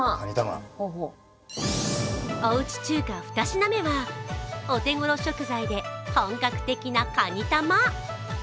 おうち中華２品目はお手ごろ食材で本格的なかに玉。